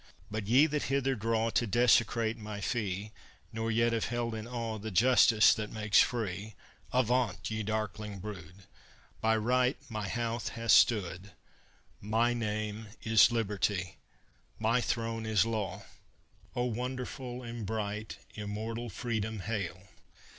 "But ye that hither draw To desecrate my fee, Nor yet have held in awe The justice that makes free, Avaunt, ye darkling brood! By Right my house hath stood: My name is Liberty, My throne is Law." O wonderful and bright, Immortal Freedom, hail!